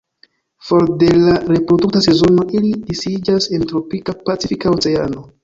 For de la reprodukta sezono ili disiĝas en tropika Pacifika Oceano.